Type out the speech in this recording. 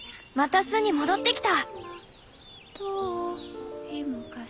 また巣に戻ってきた！